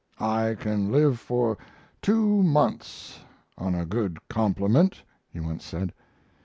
"I can live for two months on a good compliment," he once said.